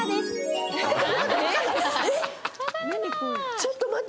ちょっと待って。